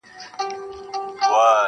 • تش په نام اسلام اباده سې برباده,